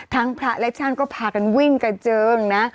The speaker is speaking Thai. พระและช่างก็พากันวิ่งกระเจิงนะ